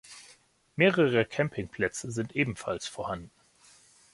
Mehrere Campingplätze sind ebenfalls vorhanden.